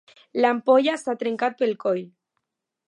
L'ampolla s'ha trencat pel coll.